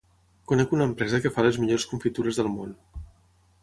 Conec una empresa que fa les millors confitures del món.